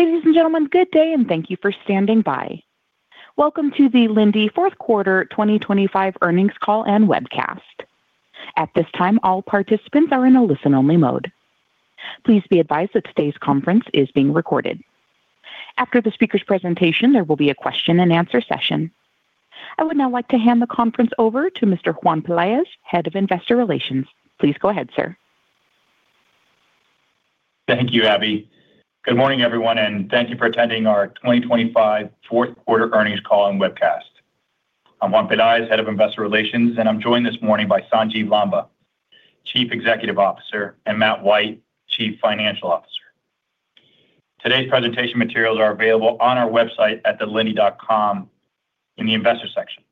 Ladies and gentlemen, good day and thank you for standing by. Welcome to the Linde Fourth Quarter 2025 Earnings Call and Webcast. At this time, all participants are in a listen-only mode. Please be advised that today's conference is being recorded. After the speaker's presentation, there will be a question-and-answer session. I would now like to hand the conference over to Mr. Juan Pelaez, Head of Investor Relations. Please go ahead, sir. Thank you, Abby. Good morning, everyone, and thank you for attending our 2025 Fourth Quarter earnings call and webcast. I'm Juan Pelaez, Head of Investor Relations, and I'm joined this morning by Sanjiv Lamba, Chief Executive Officer, and Matt White, Chief Financial Officer. Today's presentation materials are available on our website at linde.com in the investor section.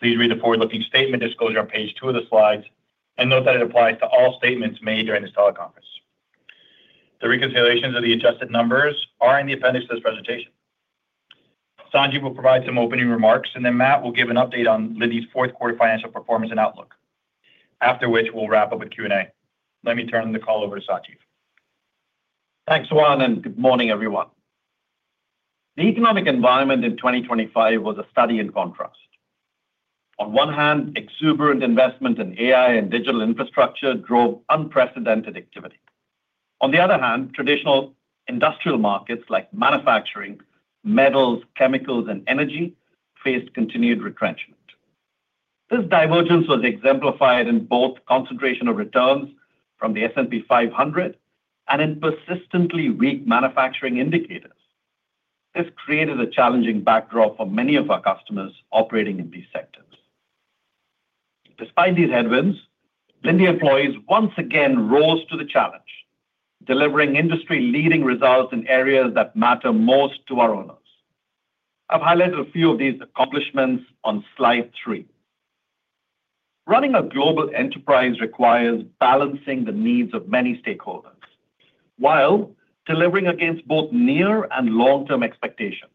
Please read the forward-looking statement disclosure on page two of the slides and note that it applies to all statements made during this teleconference. The reconciliations of the adjusted numbers are in the appendix to this presentation. Sanjiv will provide some opening remarks, and then Matt will give an update on Linde's Fourth Quarter financial performance and outlook, after which we'll wrap up with Q&A. Let me turn the call over to Sanjiv. Thanks, Juan, and good morning, everyone. The economic environment in 2025 was a study in contrast. On one hand, exuberant investment in AI and digital infrastructure drove unprecedented activity. On the other hand, traditional industrial markets like manufacturing, metals, chemicals, and energy faced continued retrenchment. This divergence was exemplified in both concentration of returns from the S&P 500 and in persistently weak manufacturing indicators. This created a challenging backdrop for many of our customers operating in these sectors. Despite these headwinds, Linde employees once again rose to the challenge, delivering industry-leading results in areas that matter most to our owners. I've highlighted a few of these accomplishments on slide three. Running a global enterprise requires balancing the needs of many stakeholders while delivering against both near and long-term expectations.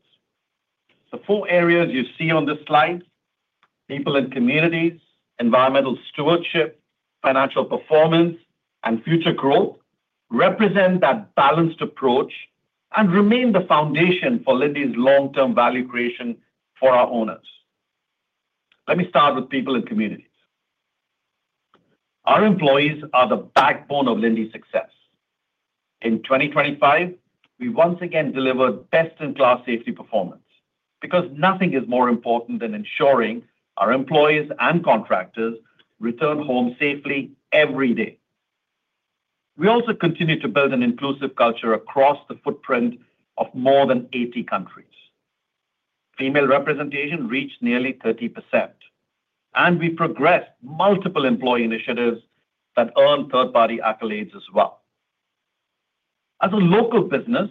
The four areas you see on this slide (people and communities, environmental stewardship, financial performance, and future growth) represent that balanced approach and remain the foundation for Linde's long-term value creation for our owners. Let me start with people and communities. Our employees are the backbone of Linde's success. In 2025, we once again delivered best-in-class safety performance because nothing is more important than ensuring our employees and contractors return home safely every day. We also continue to build an inclusive culture across the footprint of more than 80 countries. Female representation reached nearly 30%, and we progressed multiple employee initiatives that earned third-party accolades as well. As a local business,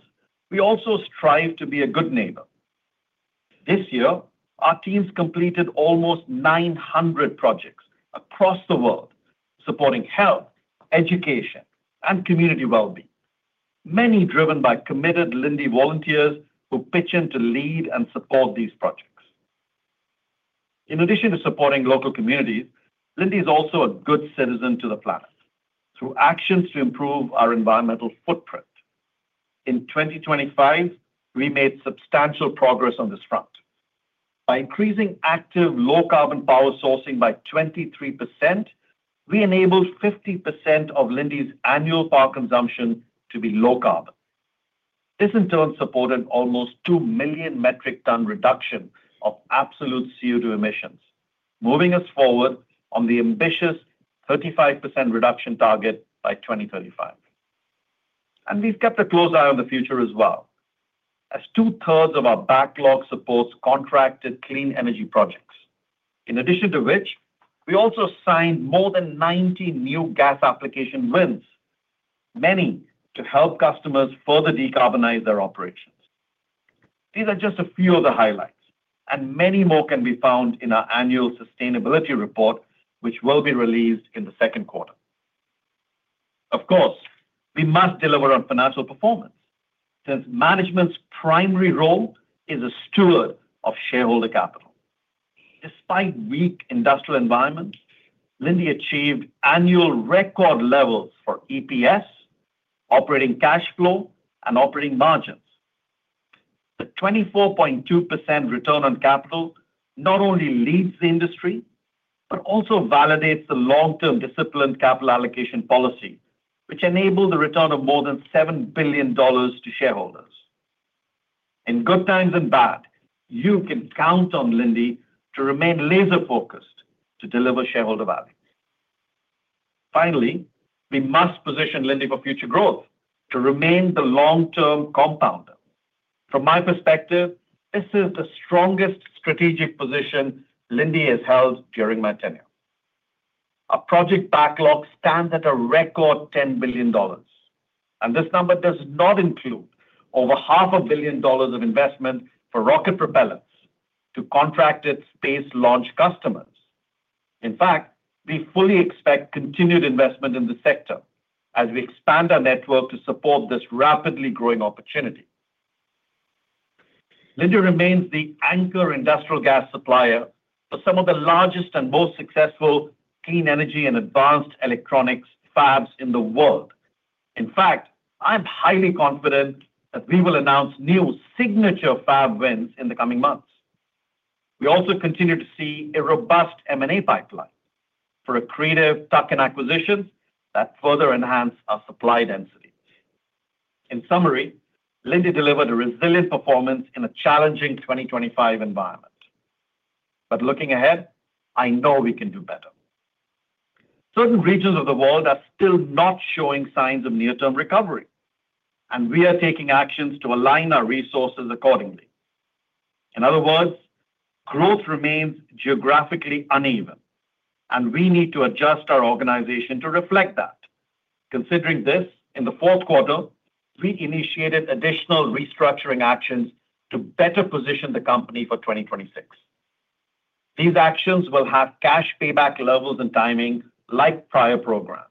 we also strive to be a good neighbor. This year, our teams completed almost 900 projects across the world supporting health, education, and community well-being, many driven by committed Linde volunteers who pitch in to lead and support these projects. In addition to supporting local communities, Linde is also a good citizen to the planet through actions to improve our environmental footprint. In 2025, we made substantial progress on this front. By increasing active low-carbon power sourcing by 23%, we enabled 50% of Linde's annual power consumption to be low-carbon. This, in turn, supported almost two million metric ton reduction of absolute CO2 emissions, moving us forward on the ambitious 35% reduction target by 2035. We've kept a close eye on the future as well, as 2/3 of our backlog supports contracted clean energy projects, in addition to which we also signed more than 90 new gas application wins, many to help customers further decarbonize their operations. These are just a few of the highlights, and many more can be found in our annual sustainability report, which will be released in the second quarter. Of course, we must deliver on financial performance since management's primary role is a steward of shareholder capital. Despite weak industrial environments, Linde achieved annual record levels for EPS, operating cash flow, and operating margins. The 24.2% return on capital not only leads the industry but also validates the long-term disciplined capital allocation policy, which enabled the return of more than $7 billion to shareholders. In good times and bad, you can count on Linde to remain laser-focused to deliver shareholder value. Finally, we must position Linde for future growth to remain the long-term compounder. From my perspective, this is the strongest strategic position Linde has held during my tenure. Our project backlog stands at a record $10 billion, and this number does not include over $500 million of investment for rocket propellants to contracted space launch customers. In fact, we fully expect continued investment in the sector as we expand our network to support this rapidly growing opportunity. Linde remains the anchor industrial gas supplier for some of the largest and most successful clean energy and advanced electronics fabs in the world. In fact, I'm highly confident that we will announce new signature fab wins in the coming months. We also continue to see a robust M&A pipeline for creative tuck-in acquisitions that further enhance our supply density. In summary, Linde delivered a resilient performance in a challenging 2025 environment. But looking ahead, I know we can do better. Certain regions of the world are still not showing signs of near-term recovery, and we are taking actions to align our resources accordingly. In other words, growth remains geographically uneven, and we need to adjust our organization to reflect that. Considering this, in the fourth quarter, we initiated additional restructuring actions to better position the company for 2026. These actions will have cash payback levels and timing like prior programs,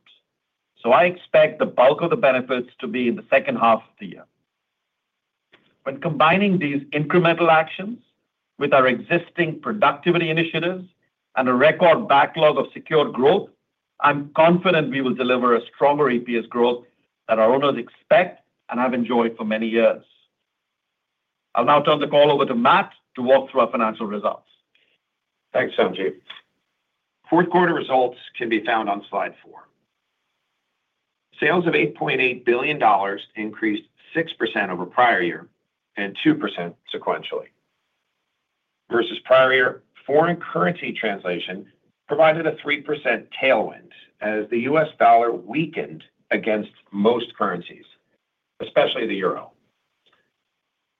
so I expect the bulk of the benefits to be in the second half of the year. When combining these incremental actions with our existing productivity initiatives and a record backlog of secure growth, I'm confident we will deliver a stronger EPS growth that our owners expect and have enjoyed for many years. I'll now turn the call over to Matt to walk through our financial results. Thanks, Sanjiv. Fourth quarter results can be found on slide four. Sales of $8.8 billion increased 6% over prior year and 2% sequentially versus prior year. Foreign currency translation provided a 3% tailwind as the U.S. dollar weakened against most currencies, especially the euro.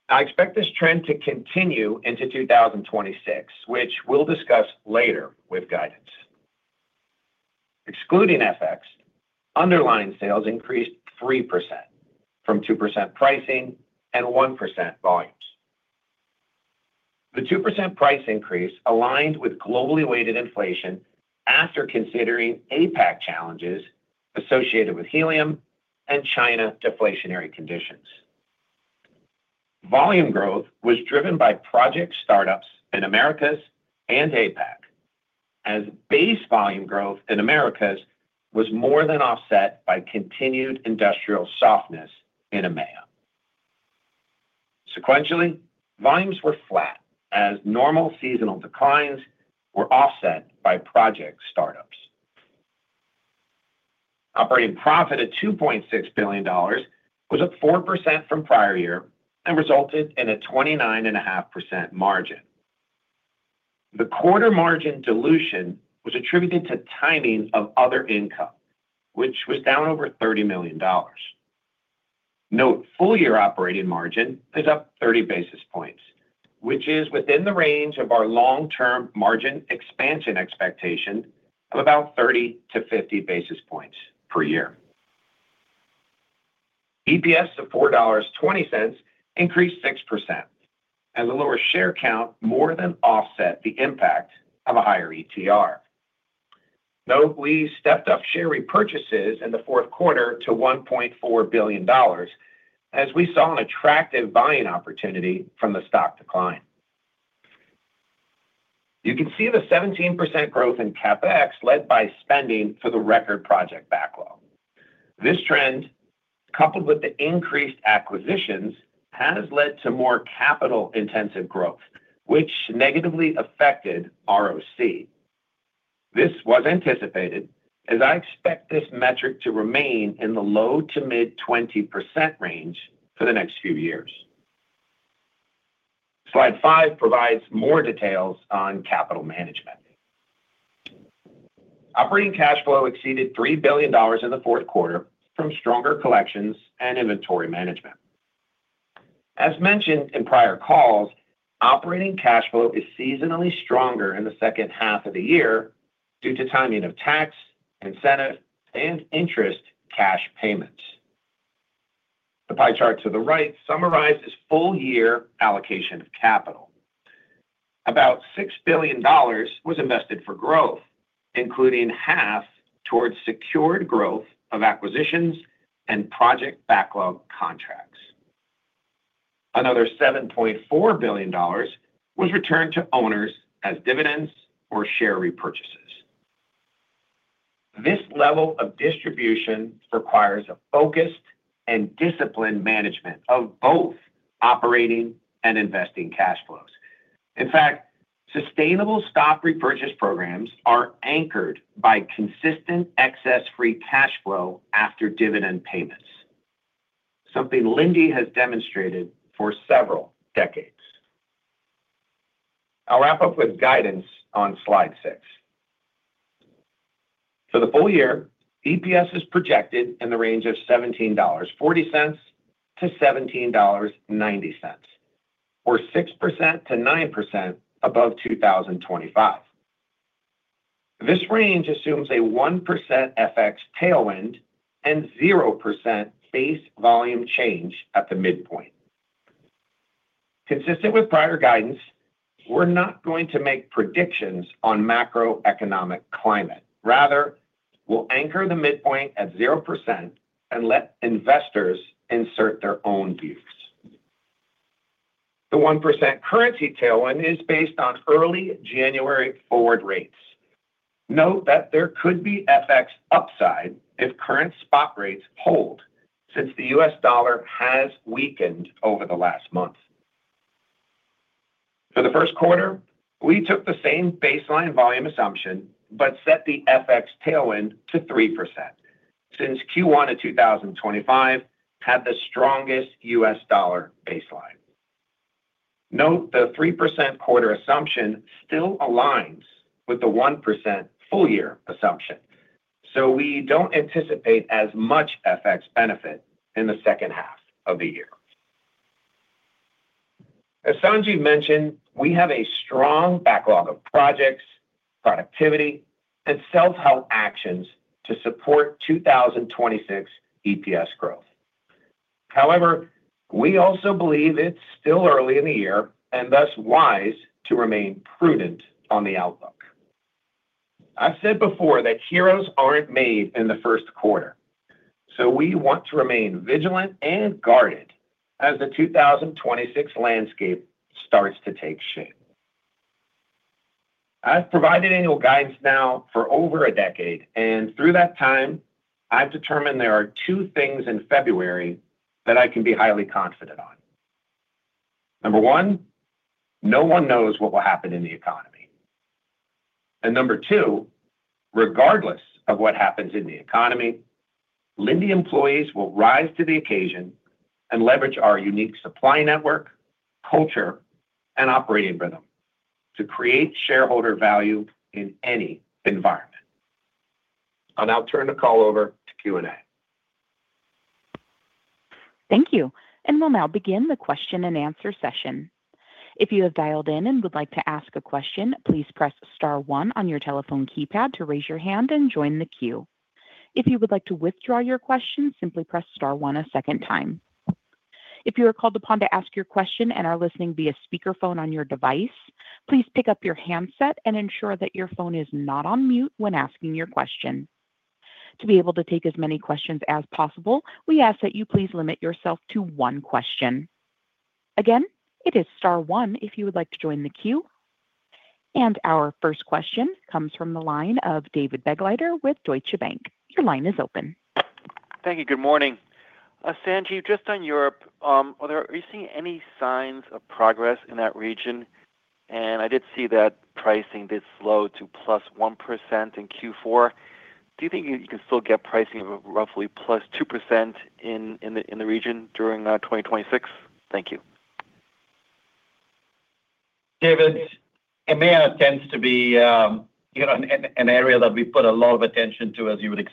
I expect this trend to continue into 2026, which we'll discuss later with guidance. Excluding FX, underlying sales increased 3% from 2% pricing and 1% volumes. The 2% price increase aligned with globally weighted inflation after considering APAC challenges associated with helium and China deflationary conditions. Volume growth was driven by project startups in Americas and APAC, as base volume growth in Americas was more than offset by continued industrial softness in EMEA. Sequentially, volumes were flat as normal seasonal declines were offset by project startups. Operating profit of $2.6 billion was up 4% from prior year and resulted in a 29.5% margin. The quarter margin dilution was attributed to timing of other income, which was down over $30 million. Note full-year operating margin is up 30 basis points, which is within the range of our long-term margin expansion expectation of about 30-50 basis points per year. EPS of $4.20 increased 6% as a lower share count more than offset the impact of a higher ETR. Note we stepped up share repurchases in the fourth quarter to $1.4 billion as we saw an attractive buying opportunity from the stock decline. You can see the 17% growth in CAPEX led by spending for the record project backlog. This trend, coupled with the increased acquisitions, has led to more capital-intensive growth, which negatively affected ROC. This was anticipated, as I expect this metric to remain in the low to mid-20% range for the next few years. Slide five provides more details on capital management. Operating cash flow exceeded $3 billion in the fourth quarter from stronger collections and inventory management. As mentioned in prior calls, operating cash flow is seasonally stronger in the second half of the year due to timing of tax, incentive, and interest cash payments. The pie chart to the right summarizes full-year allocation of capital. About $6 billion was invested for growth, including half towards secured growth of acquisitions and project backlog contracts. Another $7.4 billion was returned to owners as dividends or share repurchases. This level of distribution requires a focused and disciplined management of both operating and investing cash flows. In fact, sustainable stock repurchase programs are anchored by consistent excess free cash flow after dividend payments, something Linde has demonstrated for several decades. I'll wrap up with guidance on slide six. For the full year, EPS is projected in the range of $17.40-$17.90, or 6%-9% above 2025. This range assumes a 1% FX tailwind and 0% base volume change at the midpoint. Consistent with prior guidance, we're not going to make predictions on macroeconomic climate. Rather, we'll anchor the midpoint at 0% and let investors insert their own views. The 1% currency tailwind is based on early January forward rates. Note that there could be FX upside if current spot rates hold since the U.S. dollar has weakened over the last month. For the first quarter, we took the same baseline volume assumption but set the FX tailwind to 3% since Q1 of 2025 had the strongest U.S. dollar baseline. Note the 3% quarter assumption still aligns with the 1% full-year assumption, so we don't anticipate as much FX benefit in the second half of the year. As Sanjiv mentioned, we have a strong backlog of projects, productivity, and self-help actions to support 2026 EPS growth. However, we also believe it's still early in the year and thus wise to remain prudent on the outlook. I've said before that heroes aren't made in the first quarter, so we want to remain vigilant and guarded as the 2026 landscape starts to take shape. I've provided annual guidance now for over a decade, and through that time, I've determined there are two things in February that I can be highly confident on. Number one, no one knows what will happen in the economy. Number two, regardless of what happens in the economy, Linde employees will rise to the occasion and leverage our unique supply network, culture, and operating rhythm to create shareholder value in any environment. I'll now turn the call over to Q&A. Thank you. We'll now begin the question and answer session. If you have dialed in and would like to ask a question, please press star one on your telephone keypad to raise your hand and join the queue. If you would like to withdraw your question, simply press star one a second time. If you are called upon to ask your question and are listening via speakerphone on your device, please pick up your handset and ensure that your phone is not on mute when asking your question. To be able to take as many questions as possible, we ask that you please limit yourself to one question. Again, it is star one if you would like to join the queue. Our first question comes from the line of David Begleiter with Deutsche Bank. Your line is open. Thank you. Good morning. Sanjiv, just on Europe, are you seeing any signs of progress in that region? I did see that pricing did slow to +1% in Q4. Do you think you can still get pricing of roughly +2% in the region during 2026? Thank you. David, EMEA tends to be an area that we put a lot of attention to, as you would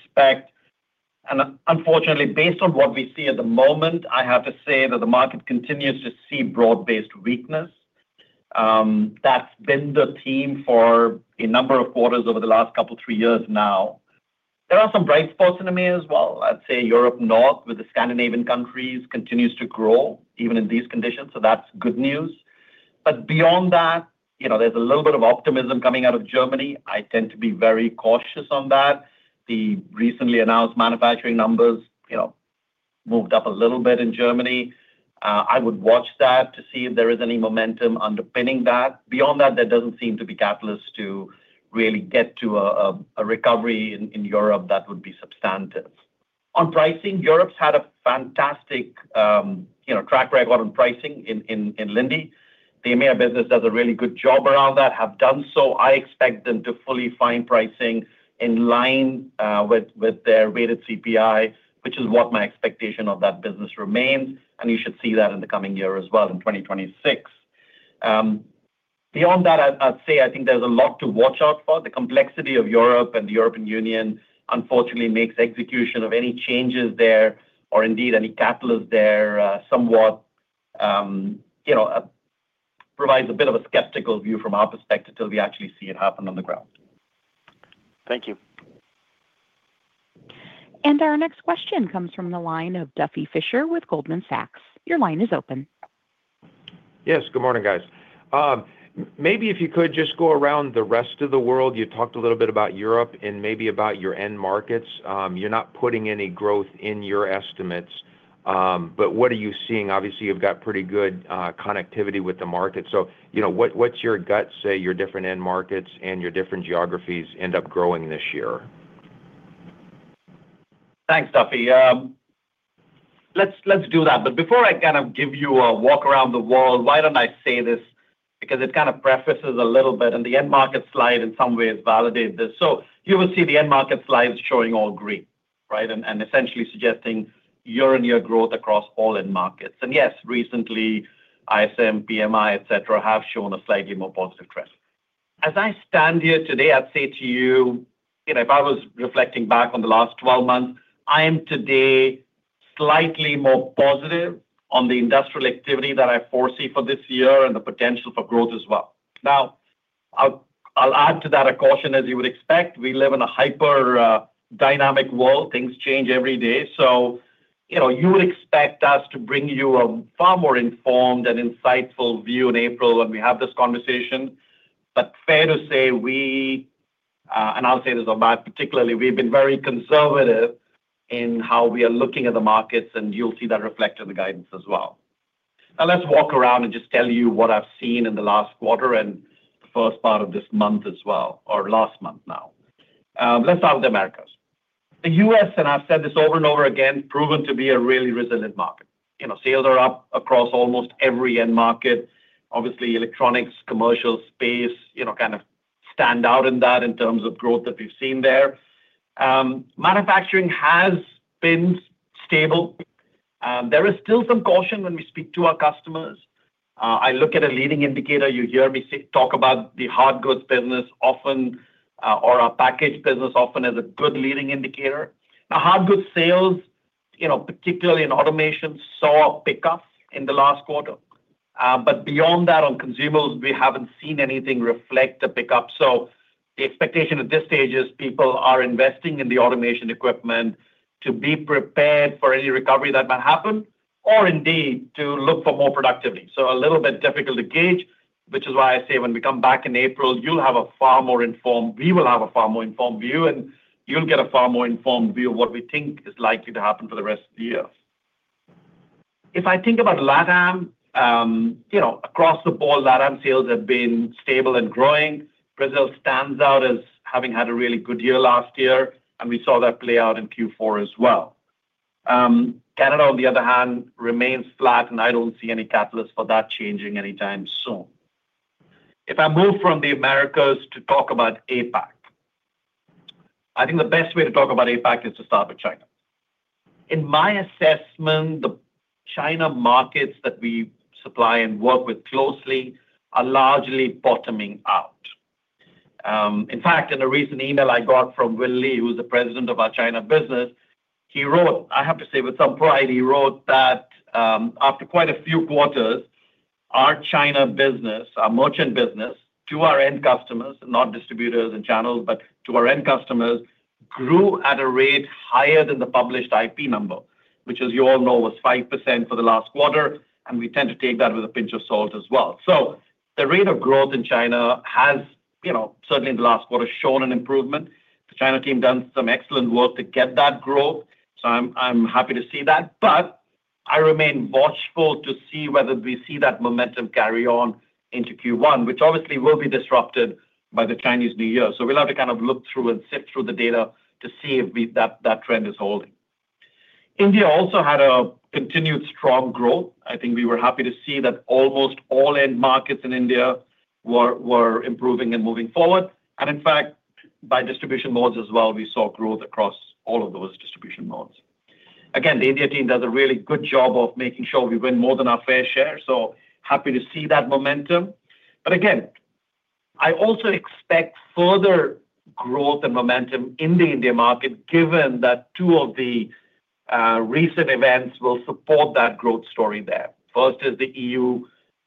expect. Unfortunately, based on what we see at the moment, I have to say that the market continues to see broad-based weakness. That's been the theme for a number of quarters over the last couple, three years now. There are some bright spots in EMEA as well. I'd say Europe North, with the Scandinavian countries, continues to grow even in these conditions. That's good news. But beyond that, there's a little bit of optimism coming out of Germany. I tend to be very cautious on that. The recently announced manufacturing numbers moved up a little bit in Germany. I would watch that to see if there is any momentum underpinning that. Beyond that, there doesn't seem to be catalysts to really get to a recovery in Europe that would be substantive. On pricing, Europe's had a fantastic track record on pricing in Linde. The EMEA business does a really good job around that, have done so. I expect them to fully fine pricing in line with their weighted CPI, which is what my expectation of that business remains. And you should see that in the coming year as well, in 2026. Beyond that, I'd say I think there's a lot to watch out for. The complexity of Europe and the European Union, unfortunately, makes execution of any changes there or indeed any catalyst there somewhat provides a bit of a skeptical view from our perspective till we actually see it happen on the ground. Thank you. Our next question comes from the line of Duffy Fischer with Goldman Sachs. Your line is open. Yes. Good morning, guys. Maybe if you could just go around the rest of the world. You talked a little bit about Europe and maybe about your end markets. You're not putting any growth in your estimates, but what are you seeing? Obviously, you've got pretty good connectivity with the market. So what's your gut say your different end markets and your different geographies end up growing this year? Thanks, Duffy. Let's do that. But before I kind of give you a walk around the wall, why don't I say this? Because it kind of prefaces a little bit. And the end market slide in some ways validates this. So you will see the end market slides showing all green, right, and essentially suggesting year-on-year growth across all end markets. And yes, recently, ISM, PMI, etc., have shown a slightly more positive trend. As I stand here today, I'd say to you, if I was reflecting back on the last 12 months, I am today slightly more positive on the industrial activity that I foresee for this year and the potential for growth as well. Now, I'll add to that a caution, as you would expect. We live in a hyper-dynamic world. Things change every day. So you would expect us to bring you a far more informed and insightful view in April when we have this conversation. But fair to say we, and I'll say this about particularly, we've been very conservative in how we are looking at the markets, and you'll see that reflected in the guidance as well. Now, let's walk around and just tell you what I've seen in the last quarter and the first part of this month as well, or last month now. Let's start with the Americas. The U.S., and I've said this over and over again, proven to be a really resilient market. Sales are up across almost every end market. Obviously, electronics, commercial space kind of stand out in that in terms of growth that we've seen there. Manufacturing has been stable. There is still some caution when we speak to our customers. I look at a leading indicator. You hear me talk about the hard goods business often or our package business often as a good leading indicator. Now, hard goods sales, particularly in automation, saw a pickup in the last quarter. But beyond that, on consumers, we haven't seen anything reflect a pickup. So the expectation at this stage is people are investing in the automation equipment to be prepared for any recovery that might happen or indeed to look for more productivity. So a little bit difficult to gauge, which is why I say when we come back in April, you'll have a far more informed we will have a far more informed view, and you'll get a far more informed view of what we think is likely to happen for the rest of the year. If I think about LATAM, across the board, LATAM sales have been stable and growing. Brazil stands out as having had a really good year last year, and we saw that play out in Q4 as well. Canada, on the other hand, remains flat, and I don't see any catalysts for that changing anytime soon. If I move from the Americas to talk about APAC, I think the best way to talk about APAC is to start with China. In my assessment, the China markets that we supply and work with closely are largely bottoming out. In fact, in a recent email I got from Will Lee, who's the president of our China business, he wrote, "I have to say with some pride," he wrote that after quite a few quarters, our China business, our merchant business, to our end customers, not distributors and channels, but to our end customers, grew at a rate higher than the published IP number, which as you all know, was 5% for the last quarter. And we tend to take that with a pinch of salt as well. So the rate of growth in China has certainly in the last quarter shown an improvement. The China team done some excellent work to get that growth. So I'm happy to see that. But I remain watchful to see whether we see that momentum carry on into Q1, which obviously will be disrupted by the Chinese New Year. So we'll have to kind of look through and sift through the data to see if that trend is holding. India also had a continued strong growth. I think we were happy to see that almost all end markets in India were improving and moving forward. And in fact, by distribution modes as well, we saw growth across all of those distribution modes. Again, the India team does a really good job of making sure we win more than our fair share. So happy to see that momentum. But again, I also expect further growth and momentum in the India market given that two of the recent events will support that growth story there. First is the EU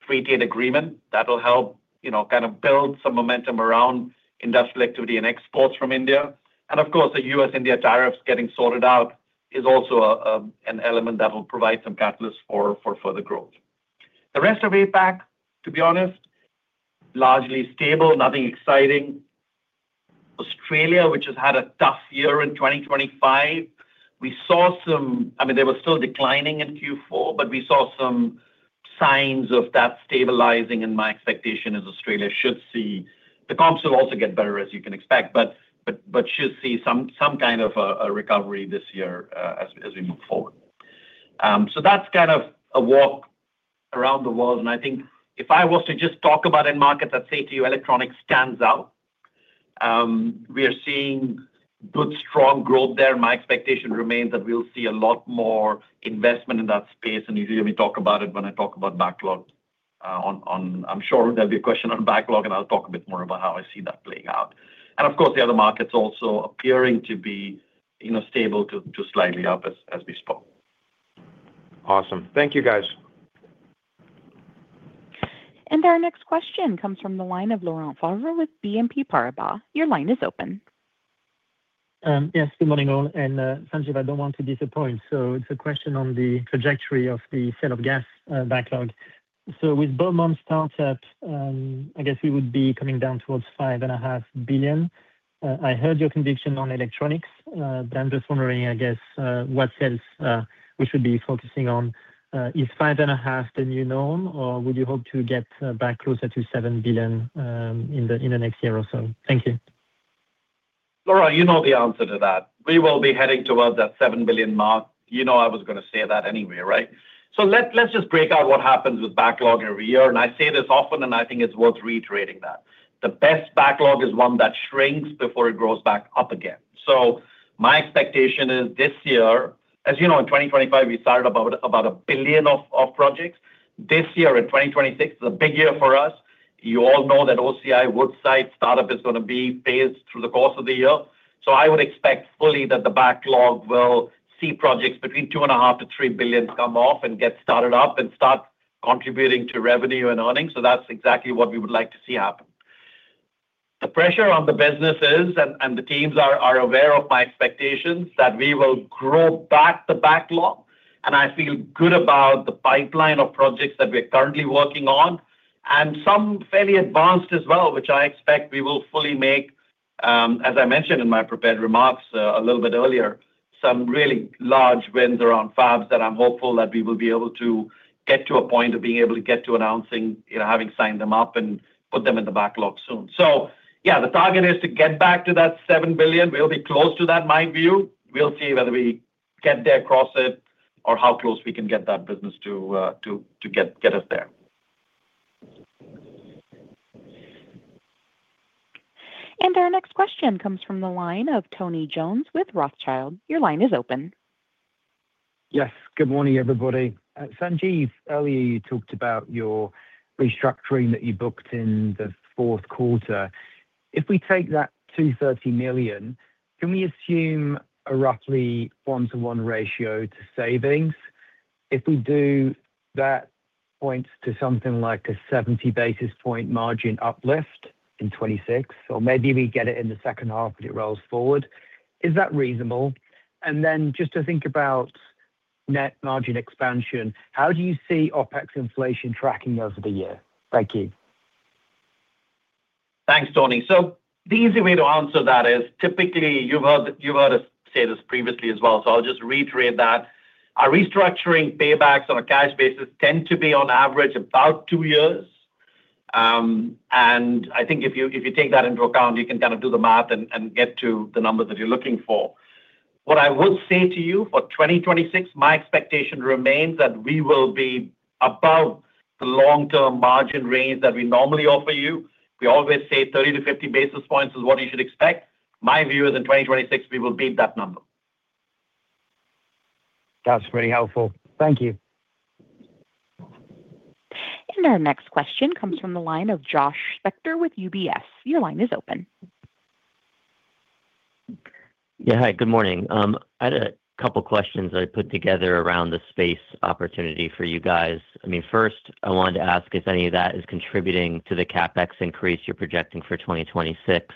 Treaty and Agreement. That will help kind of build some momentum around industrial activity and exports from India. And of course, the U.S.-India tariffs getting sorted out is also an element that will provide some catalysts for further growth. The rest of APAC, to be honest, largely stable, nothing exciting. Australia, which has had a tough year in 2025, we saw some—I mean, they were still declining in Q4, but we saw some signs of that stabilizing, and my expectation is Australia should see the comps will also get better, as you can expect, but should see some kind of a recovery this year as we move forward. So that's kind of a walk around the world. And I think if I was to just talk about end markets, I'd say to you, electronics stands out. We are seeing good, strong growth there. My expectation remains that we'll see a lot more investment in that space. And usually, we talk about it when I talk about backlog. I'm sure there'll be a question on backlog, and I'll talk a bit more about how I see that playing out. Of course, the other markets also appearing to be stable to slightly up as we spoke. Awesome. Thank you, guys. Our next question comes from the line of Laurent Favre with BNP Paribas. Your line is open. Yes. Good morning, all. And Sanjiv, I don't want to disappoint. So it's a question on the trajectory of the sale of gas backlog. So with Beaumont startup, I guess we would be coming down towards $5.5 billion. I heard your conviction on electronics, but I'm just wondering, I guess, what sales we should be focusing on. Is $5.5 billion the new norm, or would you hope to get back closer to $7 billion in the next year or so? Thank you. Laurent, you know the answer to that. We will be heading towards that $7 billion mark. You know I was going to say that anyway, right? So let's just break out what happens with backlog every year. And I say this often, and I think it's worth reiterating that. The best backlog is one that shrinks before it grows back up again. So my expectation is this year, as you know, in 2025, we started about $1 billion of projects. This year, in 2026, is a big year for us. You all know that OCI, Woodside startup is going to be phased through the course of the year. So I would expect fully that the backlog will see projects between $2.5 billion-$3 billion come off and get started up and start contributing to revenue and earnings. So that's exactly what we would like to see happen. The pressure on the businesses, and the teams are aware of my expectations, that we will grow back the backlog. And I feel good about the pipeline of projects that we're currently working on and some fairly advanced as well, which I expect we will fully make, as I mentioned in my prepared remarks a little bit earlier, some really large wins around fabs that I'm hopeful that we will be able to get to a point of being able to get to announcing, having signed them up, and put them in the backlog soon. So yeah, the target is to get back to that $7 billion. We'll be close to that, my view. We'll see whether we get there, cross it, or how close we can get that business to get us there. Our next question comes from the line of Tony Jones with Rothschild. Your line is open. Yes. Good morning, everybody. Sanjiv, earlier, you talked about your restructuring that you booked in the fourth quarter. If we take that $230 million, can we assume a roughly one-to-one ratio to savings? If we do, that points to something like a 70 basis point margin uplift in 2026, or maybe we get it in the second half and it rolls forward. Is that reasonable? And then just to think about net margin expansion, how do you see OpEx inflation tracking over the year? Thank you. Thanks, Tony. So the easy way to answer that is typically, you've heard us say this previously as well. So I'll just reiterate that. Our restructuring paybacks on a cash basis tend to be, on average, about two years. And I think if you take that into account, you can kind of do the math and get to the numbers that you're looking for. What I would say to you for 2026, my expectation remains that we will be above the long-term margin range that we normally offer you. We always say 30-50 basis points is what you should expect. My view is in 2026, we will beat that number. That's very helpful. Thank you. Our next question comes from the line of Josh Spector with UBS. Your line is open. Yeah. Hi. Good morning. I had a couple of questions I put together around the space opportunity for you guys. I mean, first, I wanted to ask if any of that is contributing to the CAPEX increase you're projecting for 2026.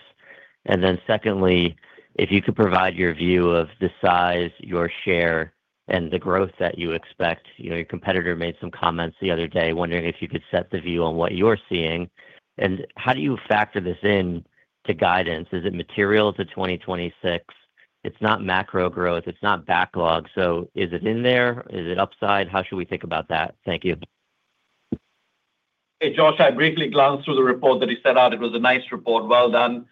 And then secondly, if you could provide your view of the size, your share, and the growth that you expect. Your competitor made some comments the other day wondering if you could set the view on what you're seeing. And how do you factor this in to guidance? Is it material to 2026? It's not macro growth. It's not backlog. So is it in there? Is it upside? How should we think about that? Thank you. Hey, Josh. I briefly glanced through the report that he sent out. It was a nice report. Well done.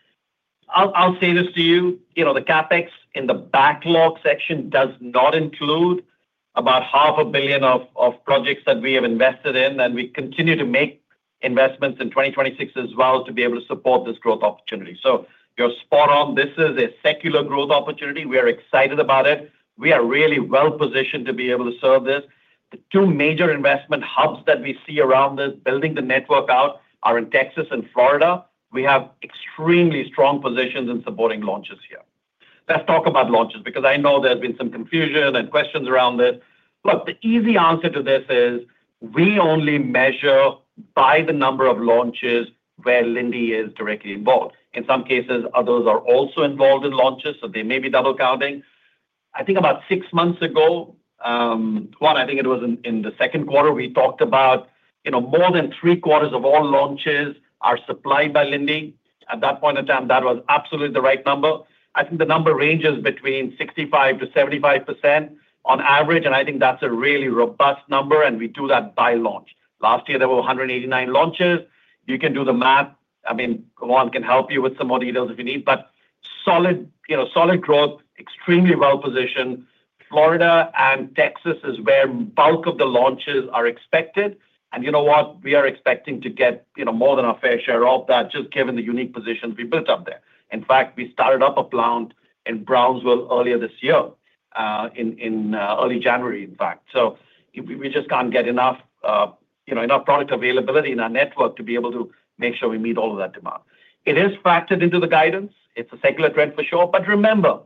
I'll say this to you. The CAPEX in the backlog section does not include about $500 million of projects that we have invested in. We continue to make investments in 2026 as well to be able to support this growth opportunity. So you're spot on. This is a secular growth opportunity. We are excited about it. We are really well positioned to be able to serve this. The two major investment hubs that we see around this, building the network out, are in Texas and Florida. We have extremely strong positions in supporting launches here. Let's talk about launches because I know there's been some confusion and questions around this. Look, the easy answer to this is we only measure by the number of launches where Linde is directly involved. In some cases, others are also involved in launches, so they may be double counting. I think about six months ago, one, I think it was in the second quarter, we talked about more than three quarters of all launches are supplied by Linde. At that point in time, that was absolutely the right number. I think the number ranges between 65%-75% on average, and I think that's a really robust number, and we do that by launch. Last year, there were 189 launches. You can do the math. I mean, Juan can help you with some more details if you need, but solid growth, extremely well positioned. Florida and Texas is where bulk of the launches are expected. You know what? We are expecting to get more than our fair share of that just given the unique positions we built up there. In fact, we started up a plant in Brownsville earlier this year, in early January, in fact. So we just can't get enough product availability in our network to be able to make sure we meet all of that demand. It is factored into the guidance. It's a secular trend for sure. But remember.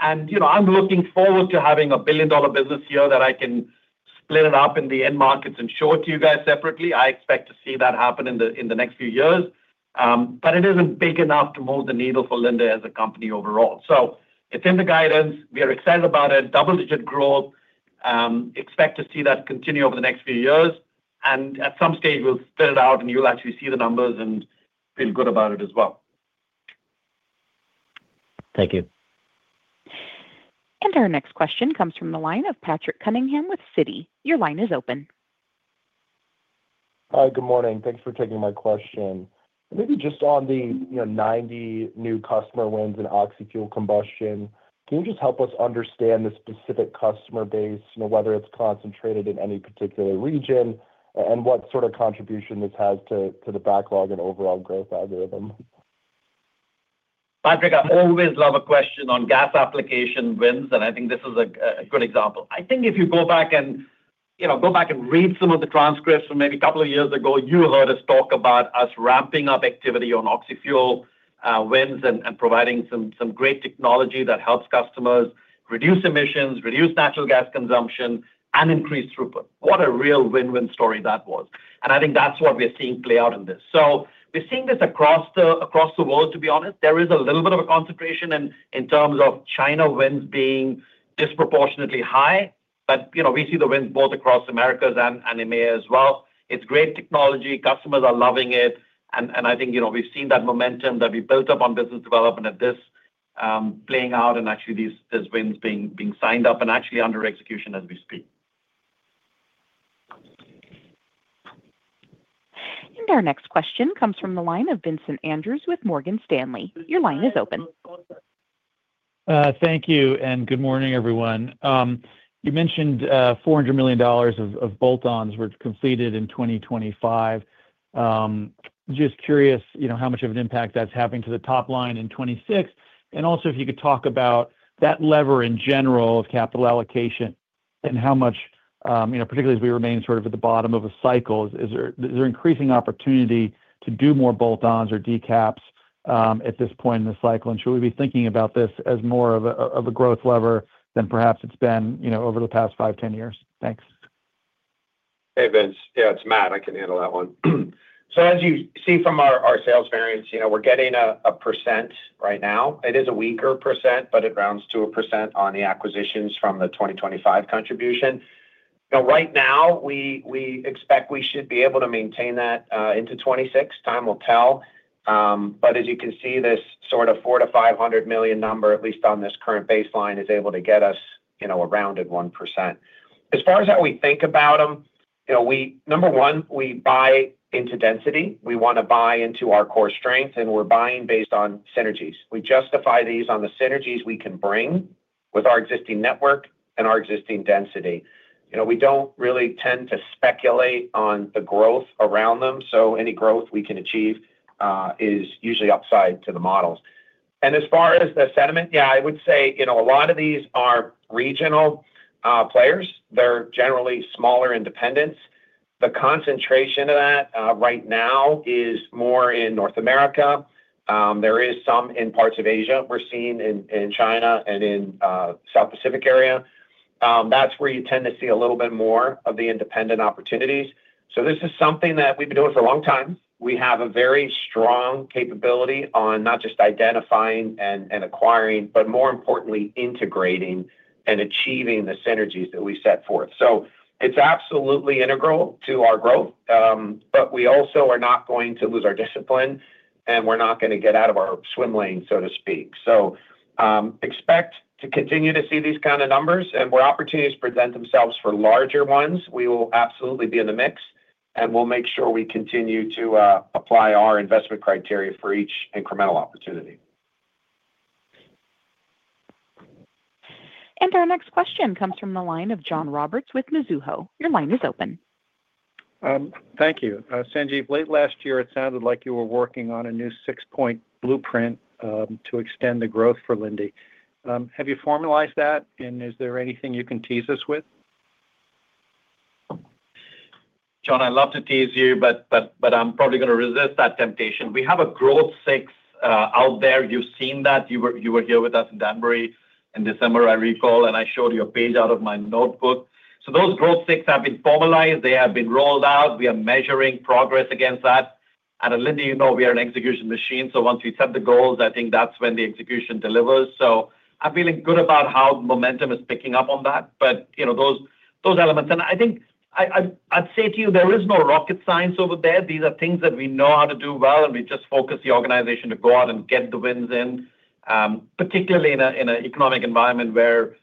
And I'm looking forward to having a billion-dollar business year that I can split it up in the end markets and show it to you guys separately. I expect to see that happen in the next few years. But it isn't big enough to move the needle for Linde as a company overall. So it's in the guidance. We are excited about it. Double-digit growth. Expect to see that continue over the next few years. At some stage, we'll split it out, and you'll actually see the numbers and feel good about it as well. Thank you. Our next question comes from the line of Patrick Cunningham with Citi. Your line is open. Hi. Good morning. Thanks for taking my question. Maybe just on the 90 new customer wins in oxy-fuel combustion, can you just help us understand the specific customer base, whether it's concentrated in any particular region, and what sort of contribution this has to the backlog and overall growth algorithm? Patrick, I always love a question on gas application wins, and I think this is a good example. I think if you go back and go back and read some of the transcripts from maybe a couple of years ago, you heard us talk about us ramping up activity on oxy-fuel wins and providing some great technology that helps customers reduce emissions, reduce natural gas consumption, and increase throughput. What a real win-win story that was. And I think that's what we're seeing play out in this. So we're seeing this across the world, to be honest. There is a little bit of a concentration in terms of China wins being disproportionately high, but we see the wins both across Americas and EMEA as well. It's great technology. Customers are loving it. I think we've seen that momentum that we built up on business development at this playing out, and actually, these wins being signed up and actually under execution as we speak. Our next question comes from the line of Vincent Andrews with Morgan Stanley. Your line is open. Thank you. Good morning, everyone. You mentioned $400 million of bolt-ons were completed in 2025. Just curious how much of an impact that's having to the top line in 2026, and also if you could talk about that lever in general of capital allocation and how much, particularly as we remain sort of at the bottom of a cycle, is there increasing opportunity to do more bolt-ons or decaps at this point in the cycle? Should we be thinking about this as more of a growth lever than perhaps it's been over the past five, 10 years? Thanks. Hey, Vince. Yeah, it's Matt. I can handle that one. So as you see from our sales variance, we're getting 1% right now. It is a weaker percent, but it rounds to 1% on the acquisitions from the 2025 contribution. Right now, we expect we should be able to maintain that into 2026. Time will tell. But as you can see, this sort of $400 million-$500 million number, at least on this current baseline, is able to get us around at 1%. As far as how we think about them, number one, we buy into density. We want to buy into our core strength, and we're buying based on synergies. We justify these on the synergies we can bring with our existing network and our existing density. We don't really tend to speculate on the growth around them. So any growth we can achieve is usually upside to the models. And as far as the sentiment, yeah, I would say a lot of these are regional players. They're generally smaller independents. The concentration of that right now is more in North America. There is some in parts of Asia. We're seeing in China and in the South Pacific area. That's where you tend to see a little bit more of the independent opportunities. So this is something that we've been doing for a long time. We have a very strong capability on not just identifying and acquiring, but more importantly, integrating and achieving the synergies that we set forth. So it's absolutely integral to our growth, but we also are not going to lose our discipline, and we're not going to get out of our swim lane, so to speak. Expect to continue to see these kind of numbers, and where opportunities present themselves for larger ones, we will absolutely be in the mix, and we'll make sure we continue to apply our investment criteria for each incremental opportunity. Our next question comes from the line of John Roberts with Mizuho. Your line is open. Thank you. Sanjiv, late last year, it sounded like you were working on a new six-point blueprint to extend the growth for Linde. Have you formalized that, and is there anything you can tease us with? John, I'd love to tease you, but I'm probably going to resist that temptation. We have a Growth Six out there. You've seen that. You were here with us in Danbury in December, I recall, and I showed you a page out of my notebook. So those Growth Six have been formalized. They have been rolled out. We are measuring progress against that. And Linde, you know we are an execution machine. So once we set the goals, I think that's when the execution delivers. So I'm feeling good about how momentum is picking up on that, but those elements. And I think I'd say to you, there is no rocket science over there. These are things that we know how to do well, and we just focus the organization to go out and get the wins in, particularly in an economic environment where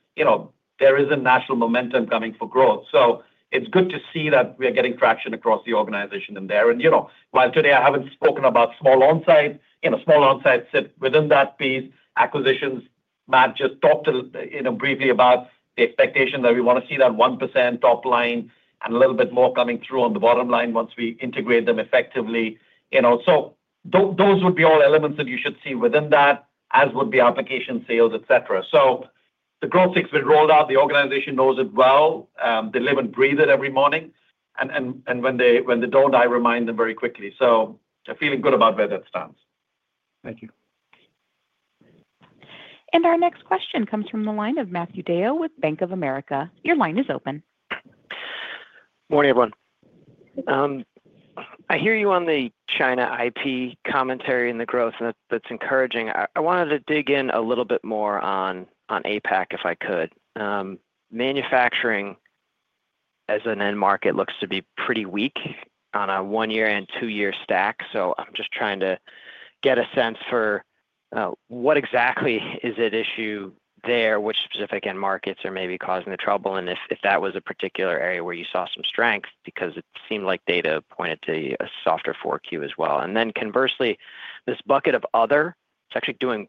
there isn't national momentum coming for growth. So it's good to see that we are getting traction across the organization in there. And while today, I haven't spoken about small onsite, small onsite sit within that piece, acquisitions. Matt just talked briefly about the expectation that we want to see that 1% top line and a little bit more coming through on the bottom line once we integrate them effectively. So those would be all elements that you should see within that, as would be application, sales, etc. So the Growth Six has been rolled out. The organization knows it well. They live and breathe it every morning. And when they don't, I remind them very quickly. I'm feeling good about where that stands. Thank you. Our next question comes from the line of Matthew Dale with Bank of America. Your line is open. Morning, everyone. I hear you on the China IP commentary and the growth, and that's encouraging. I wanted to dig in a little bit more on APAC, if I could. Manufacturing as an end market looks to be pretty weak on a 1-year and 2-year stack. So I'm just trying to get a sense for what exactly is at issue there, which specific end markets are maybe causing the trouble, and if that was a particular area where you saw some strength because it seemed like data pointed to a softer 4Q as well. And then conversely, this bucket of other, it's actually doing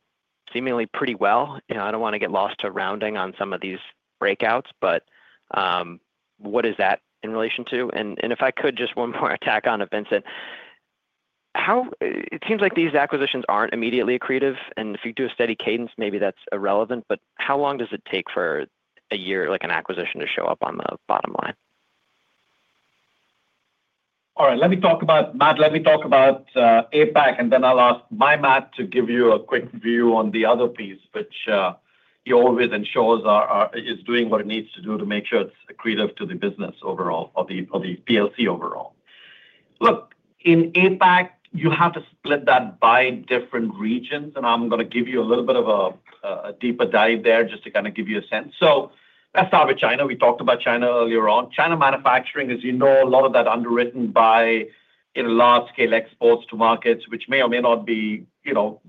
seemingly pretty well. I don't want to get lost to rounding on some of these breakouts, but what is that in relation to? And if I could, just one more ask on it, Vincent. It seems like these acquisitions aren't immediately accretive. If you do a steady cadence, maybe that's irrelevant, but how long does it take for a year, an acquisition, to show up on the bottom line? All right. Matt, let me talk about APAC, and then I'll ask my Matt to give you a quick view on the other piece, which he always ensures is doing what it needs to do to make sure it's accretive to the business overall or the PLC overall. Look, in APAC, you have to split that by different regions, and I'm going to give you a little bit of a deeper dive there just to kind of give you a sense. So let's start with China. We talked about China earlier on. China manufacturing, as you know, a lot of that underwritten by large-scale exports to markets, which may or may not be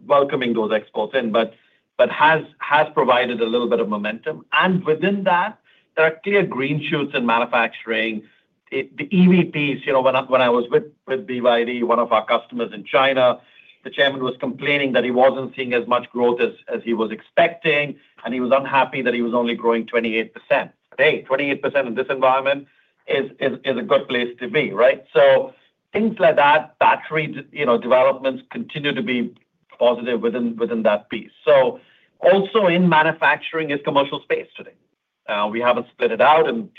welcoming those exports in, but has provided a little bit of momentum. Within that, there are clear green shoots in manufacturing. The EV piece, when I was with BYD, one of our customers in China, the chairman was complaining that he wasn't seeing as much growth as he was expecting, and he was unhappy that he was only growing 28%. Hey, 28% in this environment is a good place to be, right? So things like that, battery developments continue to be positive within that piece. So also in manufacturing is commercial space today. We haven't split it out, and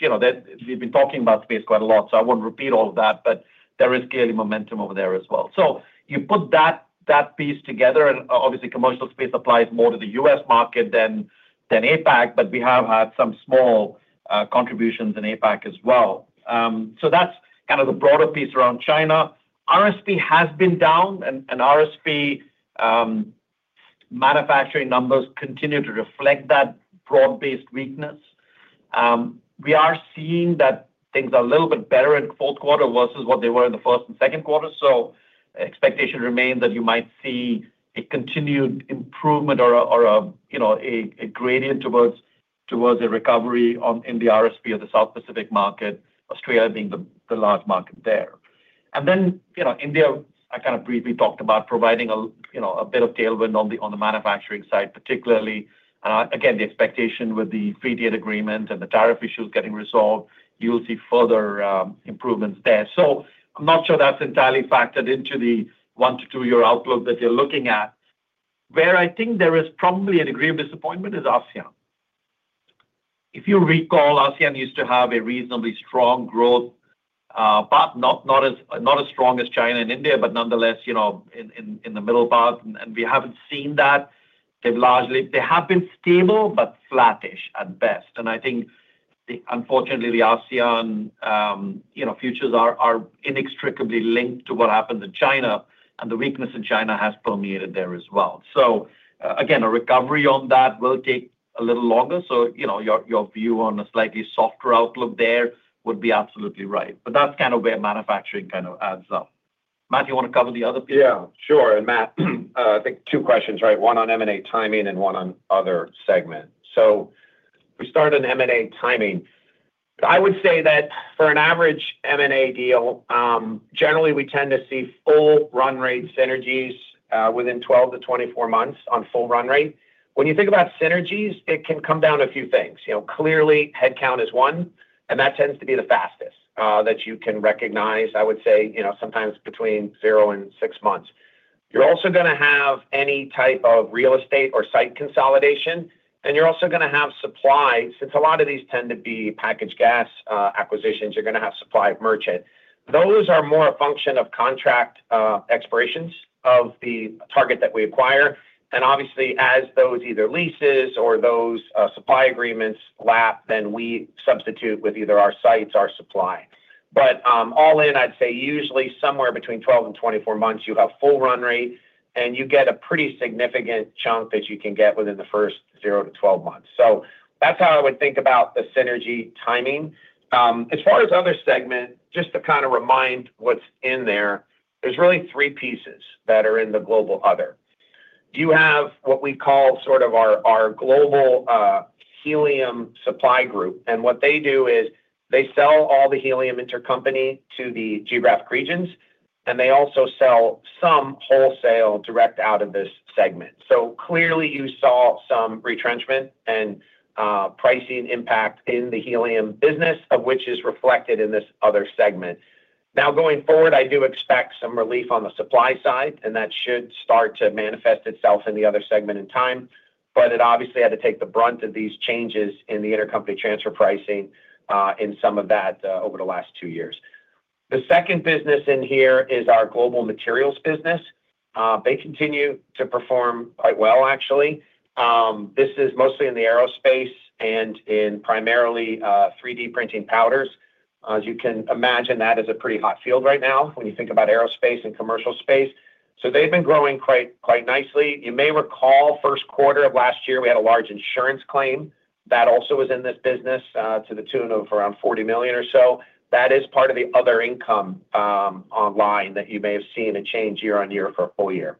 we've been talking about space quite a lot, so I won't repeat all of that, but there is clearly momentum over there as well. So you put that piece together, and obviously, commercial space applies more to the US market than APAC, but we have had some small contributions in APAC as well. So that's kind of the broader piece around China. RSP has been down, and RSP manufacturing numbers continue to reflect that broad-based weakness. We are seeing that things are a little bit better in fourth quarter versus what they were in the first and second quarter. Expectation remains that you might see a continued improvement or a gradient towards a recovery in the RSP of the South Pacific market, Australia being the large market there. Then India, I kind of briefly talked about providing a bit of tailwind on the manufacturing side, particularly. Again, the expectation with the free trade agreement and the tariff issues getting resolved, you'll see further improvements there. I'm not sure that's entirely factored into the one-two-year outlook that you're looking at. Where I think there is probably a degree of disappointment is ASEAN. If you recall, ASEAN used to have a reasonably strong growth, not as strong as China and India, but nonetheless, in the middle part. And we haven't seen that largely. They have been stable but flattish at best. And I think, unfortunately, the ASEAN futures are inextricably linked to what happens in China, and the weakness in China has permeated there as well. So again, a recovery on that will take a little longer. So your view on a slightly softer outlook there would be absolutely right. But that's kind of where manufacturing kind of adds up. Matt, do you want to cover the other piece? Yeah, sure. And Matt, I think two questions, right? One on M&A timing and one on other segment. So if we start on M&A timing, I would say that for an average M&A deal, generally, we tend to see full run-rate synergies within 12-24 months on full run rate. When you think about synergies, it can come down to a few things. Clearly, headcount is one, and that tends to be the fastest that you can recognize, I would say, sometimes between 0 and 6 months. You're also going to have any type of real estate or site consolidation, and you're also going to have supply. Since a lot of these tend to be packaged gas acquisitions, you're going to have supply of merchant. Those are more a function of contract expirations of the target that we acquire. And obviously, as those either leases or those supply agreements lap, then we substitute with either our sites, our supply. But all in, I'd say usually somewhere between 12-24 months, you have full run rate, and you get a pretty significant chunk that you can get within the first 0-12 months. So that's how I would think about the synergy timing. As far as other segment, just to kind of remind what's in there, there's really three pieces that are in the global other. You have what we call sort of our global helium supply group. And what they do is they sell all the helium intercompany to the geographic regions, and they also sell some wholesale direct out of this segment. So clearly, you saw some retrenchment and pricing impact in the helium business, of which is reflected in this other segment. Now, going forward, I do expect some relief on the supply side, and that should start to manifest itself in the other segment in time. But it obviously had to take the brunt of these changes in the intercompany transfer pricing in some of that over the last two years. The second business in here is our global materials business. They continue to perform quite well, actually. This is mostly in the aerospace and in primarily 3D printing powders. As you can imagine, that is a pretty hot field right now when you think about aerospace and commercial space. So they've been growing quite nicely. You may recall first quarter of last year, we had a large insurance claim. That also was in this business to the tune of around $40 million or so. That is part of the other income line that you may have seen a change year-over-year for a full year.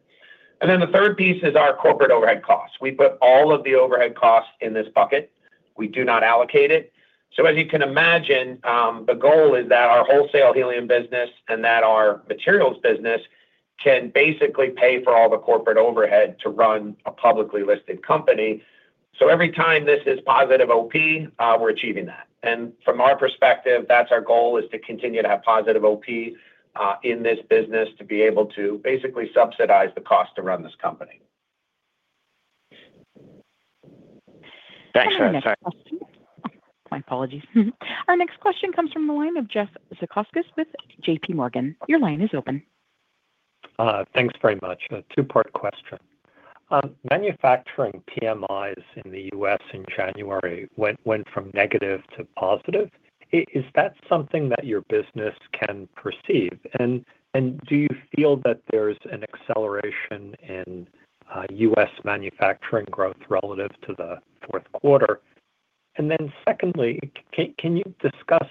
Then the third piece is our corporate overhead costs. We put all of the overhead costs in this bucket. We do not allocate it. So as you can imagine, the goal is that our wholesale helium business and that our materials business can basically pay for all the corporate overhead to run a publicly listed company. So every time this is positive OP, we're achieving that. From our perspective, that's our goal, is to continue to have positive OP in this business to be able to basically subsidize the cost to run this company. Thanks. Sorry. My apologies. Our next question comes from the line of Jeffrey Zekauskas with JPMorgan. Your line is open. Thanks very much. A two-part question. Manufacturing PMIs in the U.S. in January went from negative to positive. Is that something that your business can perceive? And do you feel that there's an acceleration in U.S. manufacturing growth relative to the fourth quarter? And then secondly, can you discuss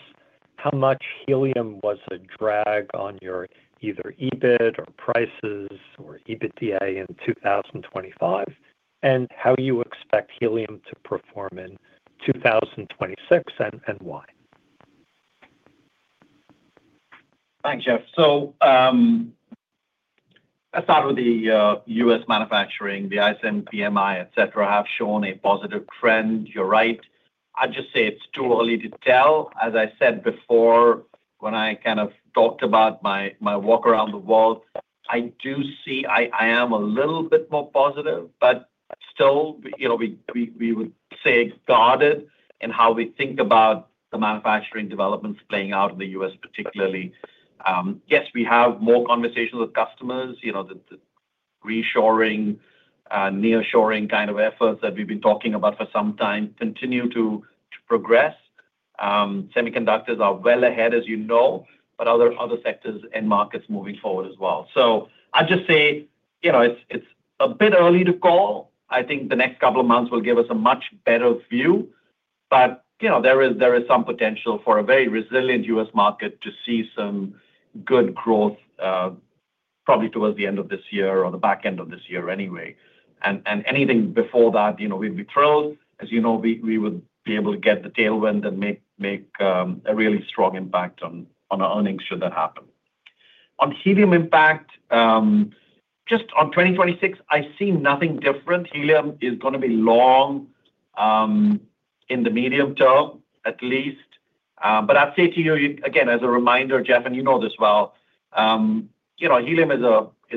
how much helium was a drag on your either EBIT or prices or EBITDA in 2025 and how you expect helium to perform in 2026 and why? Thanks, Jeff. So let's start with the U.S. manufacturing. The ISM PMI, etc., have shown a positive trend. You're right. I'd just say it's too early to tell. As I said before when I kind of talked about my walk around the world, I do see I am a little bit more positive, but still, we would say guarded in how we think about the manufacturing developments playing out in the U.S., particularly. Yes, we have more conversations with customers. The reshoring, nearshoring kind of efforts that we've been talking about for some time continue to progress. Semiconductors are well ahead, as you know, but other sectors and markets moving forward as well. So I'd just say it's a bit early to call. I think the next couple of months will give us a much better view. But there is some potential for a very resilient U.S. market to see some good growth probably towards the end of this year or the back end of this year anyway. And anything before that, we'd be thrilled. As you know, we would be able to get the tailwind and make a really strong impact on our earnings should that happen. On helium impact, just on 2026, I see nothing different. Helium is going to be long in the medium term, at least. But I'd say to you, again, as a reminder, Jeff, and you know this well, helium is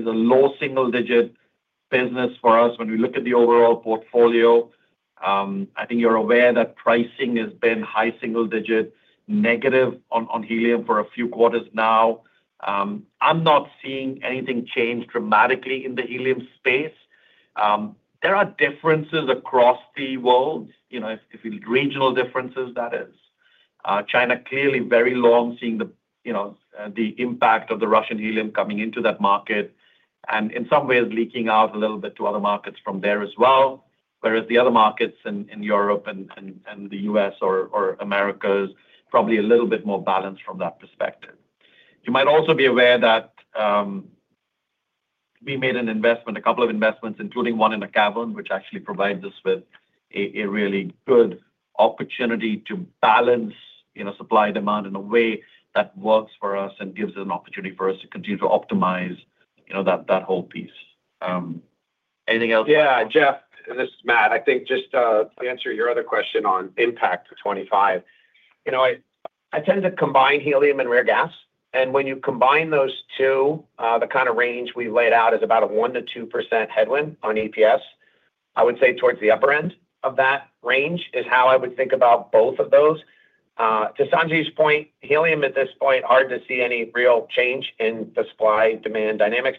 a low single-digit business for us when we look at the overall portfolio. I think you're aware that pricing has been high single-digit, negative on helium for a few quarters now. I'm not seeing anything change dramatically in the helium space. There are regional differences across the world, that is. China, clearly, we're seeing the impact of the Russian helium coming into that market and in some ways leaking out a little bit to other markets from there as well. Whereas the other markets in Europe and the U.S. or America are probably a little bit more balanced from that perspective. You might also be aware that we made a couple of investments, including one in a cavern, which actually provides us with a really good opportunity to balance supply-demand in a way that works for us and gives us an opportunity for us to continue to optimize that whole piece. Anything else? Yeah, Jeff, and this is Matt. I think just to answer your other question on impact to 2025, I tend to combine helium and rare gas. When you combine those two, the kind of range we've laid out is about a 1%-2% headwind on EPS. I would say towards the upper end of that range is how I would think about both of those. To Sanjiv's point, helium at this point, hard to see any real change in the supply-demand dynamics.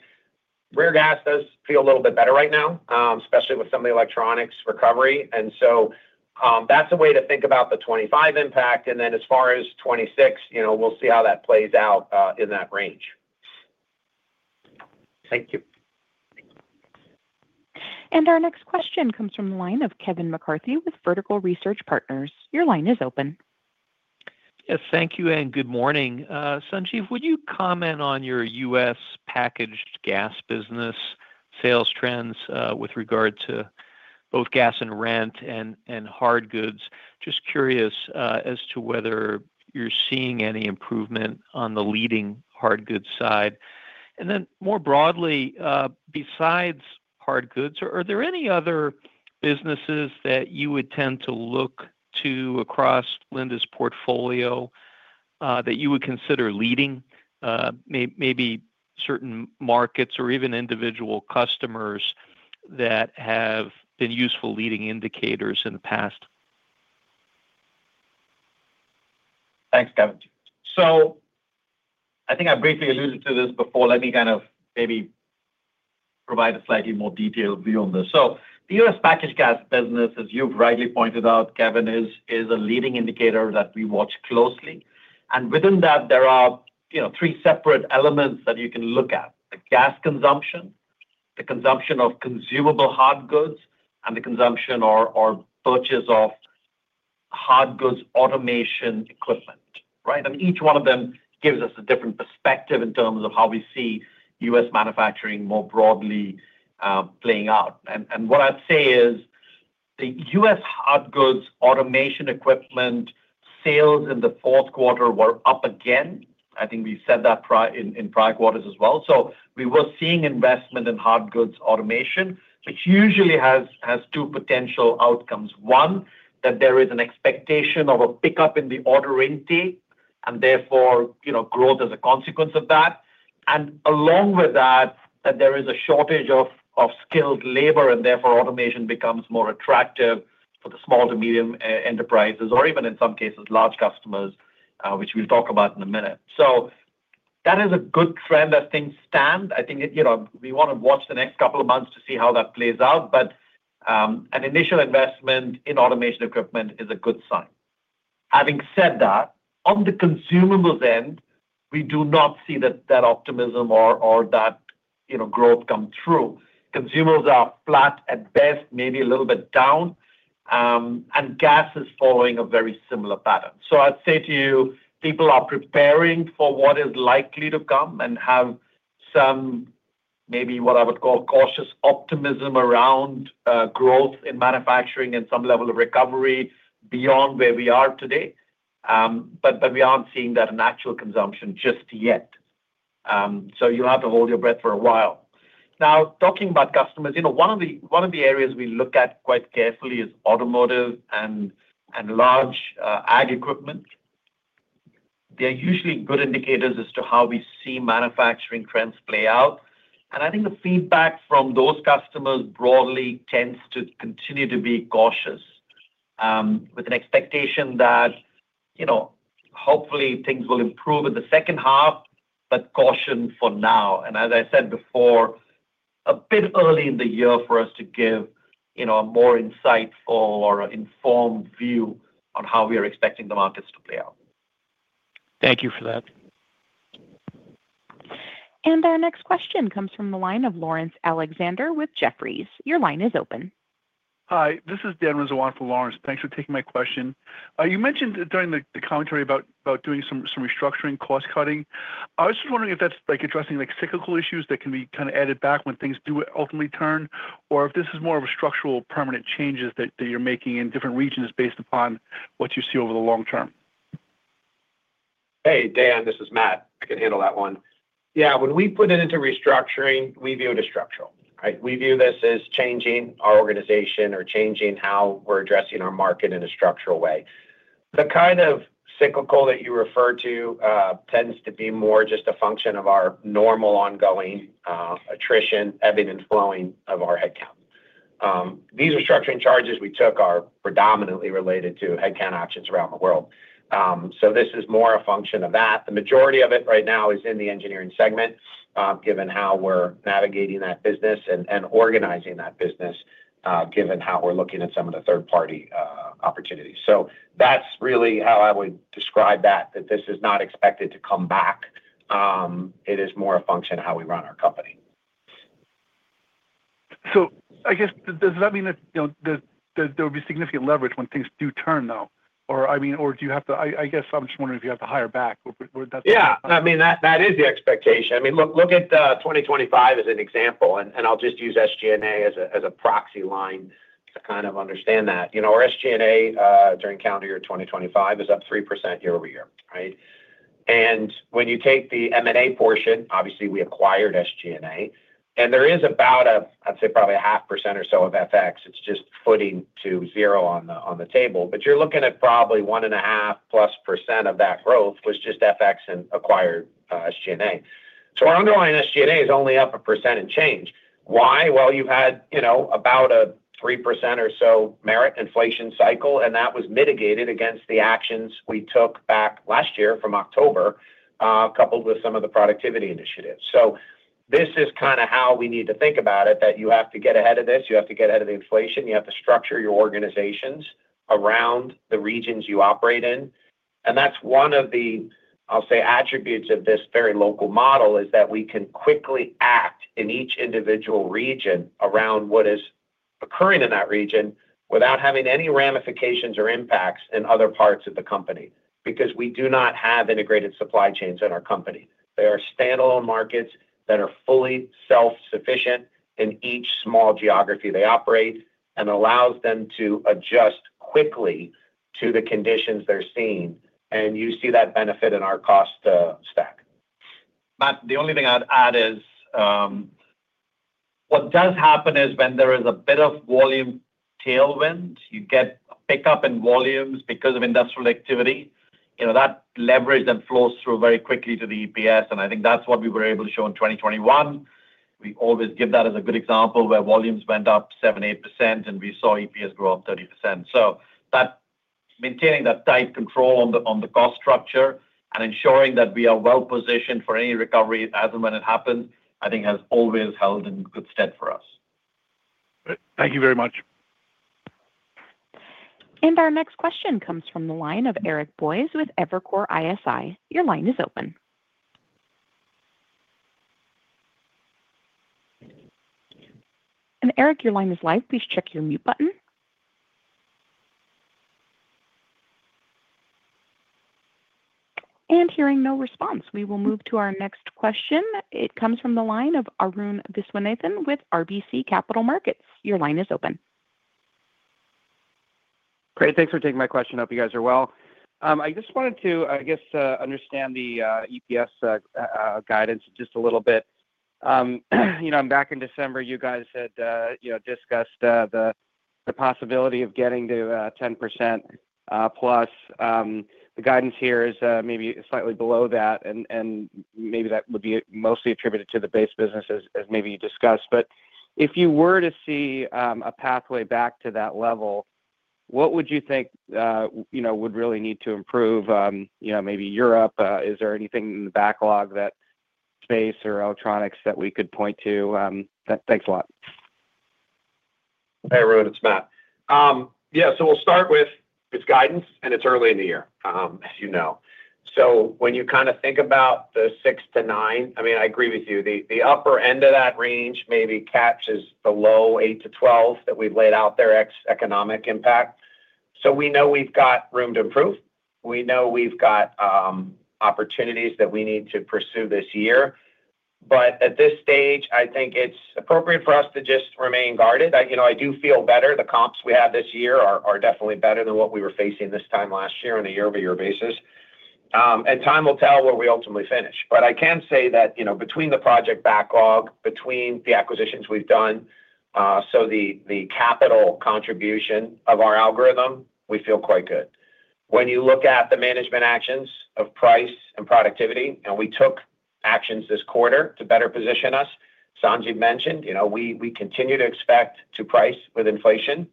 Rare gas does feel a little bit better right now, especially with some of the electronics recovery. And so that's a way to think about the 2025 impact. And then as far as 2026, we'll see how that plays out in that range. Thank you. Our next question comes from the line of Kevin McCarthy with Vertical Research Partners. Your line is open. Yes, thank you, and good morning. Sanjiv, would you comment on your U.S. packaged gas business sales trends with regard to both gas and rent and hard goods? Just curious as to whether you're seeing any improvement on the leading hard goods side. And then more broadly, besides hard goods, are there any other businesses that you would tend to look to across Linde's portfolio that you would consider leading, maybe certain markets or even individual customers that have been useful leading indicators in the past? Thanks, Kevin. So I think I briefly alluded to this before. Let me kind of maybe provide a slightly more detailed view on this. So the U.S. packaged gas business, as you've rightly pointed out, Kevin, is a leading indicator that we watch closely. And within that, there are three separate elements that you can look at: the gas consumption, the consumption of consumable hard goods, and the consumption or purchase of hard goods automation equipment, right? And each one of them gives us a different perspective in terms of how we see U.S. manufacturing more broadly playing out. And what I'd say is the U.S. hard goods automation equipment sales in the fourth quarter were up again. I think we said that in prior quarters as well. So we were seeing investment in hard goods automation, which usually has two potential outcomes. One, that there is an expectation of a pickup in the order intake and therefore growth as a consequence of that. And along with that, that there is a shortage of skilled labor, and therefore, automation becomes more attractive for the small to medium enterprises or even in some cases, large customers, which we'll talk about in a minute. So that is a good trend as things stand. I think we want to watch the next couple of months to see how that plays out. But an initial investment in automation equipment is a good sign. Having said that, on the consumables end, we do not see that optimism or that growth come through. Consumables are flat at best, maybe a little bit down. And gas is following a very similar pattern. So I'd say to you, people are preparing for what is likely to come and have some maybe what I would call cautious optimism around growth in manufacturing and some level of recovery beyond where we are today. But we aren't seeing that in actual consumption just yet. So you'll have to hold your breath for a while. Now, talking about customers, one of the areas we look at quite carefully is automotive and large ag equipment. They're usually good indicators as to how we see manufacturing trends play out. And I think the feedback from those customers broadly tends to continue to be cautious with an expectation that hopefully, things will improve in the second half, but caution for now. As I said before, a bit early in the year for us to give a more insightful or informed view on how we are expecting the markets to play out. Thank you for that. Our next question comes from the line of Laurence Alexander with Jefferies. Your line is open. Hi, this is Dan Rizzo on for Laurence. Thanks for taking my question. You mentioned during the commentary about doing some restructuring, cost-cutting. I was just wondering if that's addressing cyclical issues that can be kind of added back when things do ultimately turn, or if this is more of a structural permanent changes that you're making in different regions based upon what you see over the long term? Hey, Dan, this is Matt. I can handle that one. Yeah, when we put it into restructuring, we view it as structural, right? We view this as changing our organization or changing how we're addressing our market in a structural way. The kind of cyclical that you refer to tends to be more just a function of our normal ongoing attrition, ebbing and flowing of our headcount. These restructuring charges we took are predominantly related to headcount options around the world. So this is more a function of that. The majority of it right now is in the engineering segment, given how we're navigating that business and organizing that business, given how we're looking at some of the third-party opportunities. So that's really how I would describe that, that this is not expected to come back. It is more a function of how we run our company. So I guess does that mean that there will be significant leverage when things do turn, though? Or do you have to? I guess I'm just wondering if you have to hire back. Yeah, I mean, that is the expectation. I mean, look at 2025 as an example, and I'll just use SG&A as a proxy line to kind of understand that. Our SG&A during calendar year 2025 is up 3% year-over-year, right? And when you take the M&A portion, obviously, we acquired SG&A. And there is about a, I'd say, probably a half percent or so of FX. It's just footing to zero on the table. But you're looking at probably 1.5%+ of that growth was just FX and acquired SG&A. So our underlying SG&A is only up 1% in change. Why? Well, you had about a 3% or so merit inflation cycle, and that was mitigated against the actions we took back last year from October, coupled with some of the productivity initiatives. So this is kind of how we need to think about it, that you have to get ahead of this. You have to get ahead of the inflation. You have to structure your organizations around the regions you operate in. And that's one of the, I'll say, attributes of this very local model is that we can quickly act in each individual region around what is occurring in that region without having any ramifications or impacts in other parts of the company because we do not have integrated supply chains in our company. They are standalone markets that are fully self-sufficient in each small geography they operate and allows them to adjust quickly to the conditions they're seeing. And you see that benefit in our cost stack. Matt, the only thing I'd add is what does happen is when there is a bit of volume tailwind, you get a pickup in volumes because of industrial activity. That leverage then flows through very quickly to the EPS. And I think that's what we were able to show in 2021. We always give that as a good example where volumes went up 7%-8%, and we saw EPS grow up 30%. So maintaining that tight control on the cost structure and ensuring that we are well-positioned for any recovery as and when it happens, I think, has always held in good stead for us. Great. Thank you very much. Our next question comes from the line of Eric Boyes with Evercore ISI. Your line is open. Eric, your line is live. Please check your mute button. Hearing no response, we will move to our next question. It comes from the line of Arun Viswanathan with RBC Capital Markets. Your line is open. Great. Thanks for taking my question up. You guys are well. I just wanted to, I guess, understand the EPS guidance just a little bit. Back in December. You guys had discussed the possibility of getting to 10%+. The guidance here is maybe slightly below that. And maybe that would be mostly attributed to the base business, as maybe you discussed. But if you were to see a pathway back to that level, what would you think would really need to improve? Maybe Europe. Is there anything in the backlog that space or electronics that we could point to? Thanks a lot. Hey, Arun. It's Matt. Yeah, so we'll start with its guidance, and it's early in the year, as you know. So when you kind of think about the six-nine, I mean, I agree with you. The upper end of that range maybe catches the low eight-12 that we've laid out there, economic impact. So we know we've got room to improve. We know we've got opportunities that we need to pursue this year. But at this stage, I think it's appropriate for us to just remain guarded. I do feel better. The comps we had this year are definitely better than what we were facing this time last year on a year-over-year basis. And time will tell where we ultimately finish. But I can say that between the project backlog, between the acquisitions we've done, so the capital contribution of our algorithm, we feel quite good. When you look at the management actions of price and productivity and we took actions this quarter to better position us, Sanjiv mentioned, we continue to expect to price with inflation.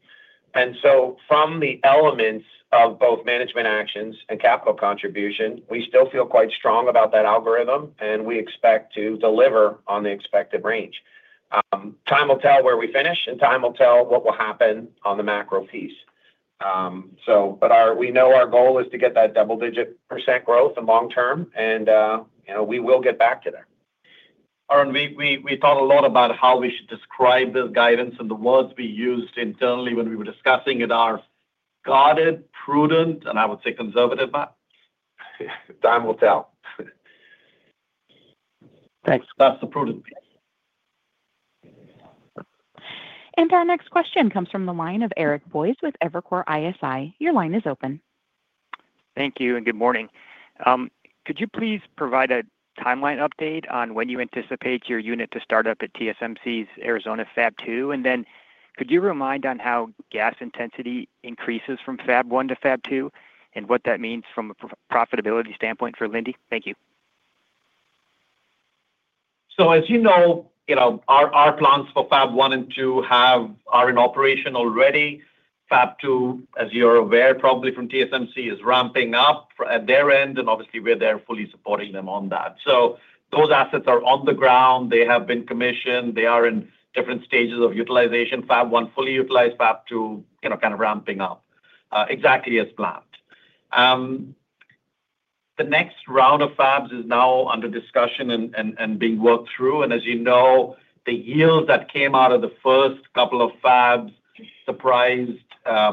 And so from the elements of both management actions and capital contribution, we still feel quite strong about that algorithm, and we expect to deliver on the expected range. Time will tell where we finish, and time will tell what will happen on the macro piece. But we know our goal is to get that double-digit percent growth in long term, and we will get back to there. Arun, we thought a lot about how we should describe this guidance and the words we used internally when we were discussing it are guarded, prudent, and I would say conservative, Matt? Time will tell. Thanks. That's the prudent piece. Our next question comes from the line of Eric Boyes with Evercore ISI. Your line is open. Thank you and good morning. Could you please provide a timeline update on when you anticipate your unit to start up at TSMC's Arizona Fab 2? And then could you remind on how gas intensity increases from Fab 1 to Fab 2 and what that means from a profitability standpoint for Linde? Thank you. So as you know, our plants for Fab 1 and 2 are in operation already. Fab 2, as you're aware probably from TSMC, is ramping up at their end. And obviously, we're there fully supporting them on that. So those assets are on the ground. They have been commissioned. They are in different stages of utilization. Fab 1 fully utilized. Fab 2 kind of ramping up exactly as planned. The next round of fabs is now under discussion and being worked through. And as you know, the yields that came out of the first couple of fabs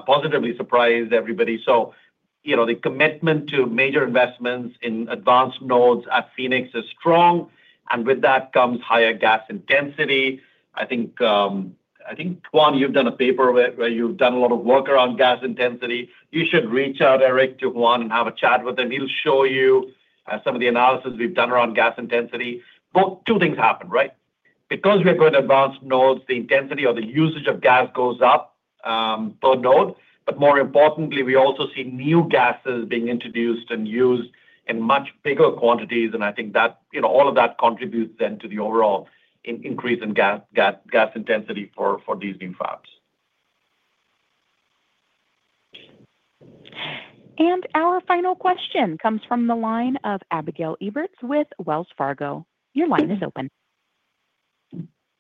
positively surprised everybody. So the commitment to major investments in advanced nodes at Phoenix is strong. And with that comes higher gas intensity. I think, Juan, you've done a paper where you've done a lot of work around gas intensity. You should reach out, Eric, to Juan and have a chat with him. He'll show you some of the analysis we've done around gas intensity. Two things happen, right? Because we are going to advanced nodes, the intensity or the usage of gas goes up per node. But more importantly, we also see new gases being introduced and used in much bigger quantities. And I think all of that contributes then to the overall increase in gas intensity for these new fabs. Our final question comes from the line of Abigail Eberts with Wells Fargo. Your line is open.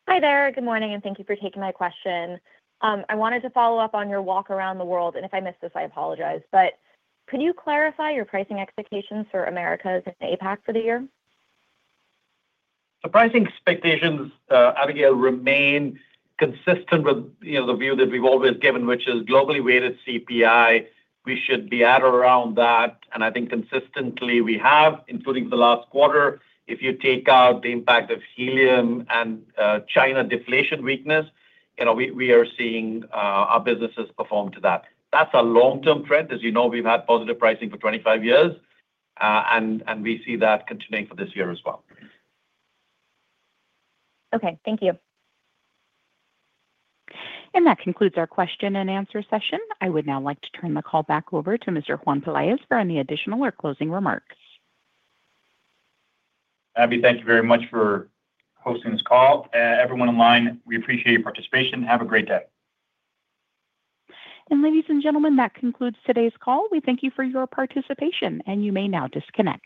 Hi there. Good morning. Thank you for taking my question. I wanted to follow up on your walk around the world. If I missed this, I apologize. Could you clarify your pricing expectations for Americas and APAC for the year? The pricing expectations, Abigail, remain consistent with the view that we've always given, which is globally weighted CPI. We should be at around that. And I think consistently, we have, including for the last quarter, if you take out the impact of helium and China deflation weakness, we are seeing our businesses perform to that. That's a long-term trend. As you know, we've had positive pricing for 25 years, and we see that continuing for this year as well. Okay. Thank you. That concludes our question-and-answer session. I would now like to turn the call back over to Mr. Juan Pelaez for any additional or closing remarks. Abby, thank you very much for hosting this call. Everyone on line, we appreciate your participation. Have a great day. Ladies and gentlemen, that concludes today's call. We thank you for your participation, and you may now disconnect.